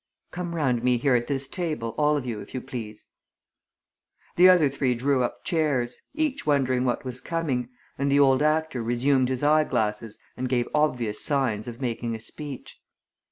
Come round me here at this table, all of you, if you please." The other three drew up chairs, each wondering what was coming, and the old actor resumed his eyeglasses and gave obvious signs of making a speech.